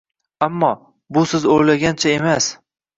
Ammo, bu siz o‘ylagancha emas.